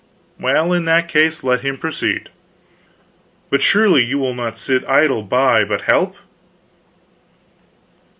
"Well, in that case, let him proceed." "But surely you will not sit idle by, but help?"